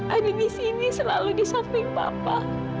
ada disini selalu disamping papa